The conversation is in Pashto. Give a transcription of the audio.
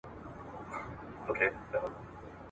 څومره طنازه څومره خوږه یې !.